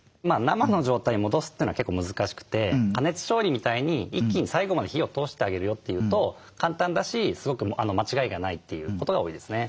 生の状態に戻すというのは結構難しくて加熱調理みたいに一気に最後まで火を通してあげるよっていうと簡単だしすごく間違いがないということが多いですね。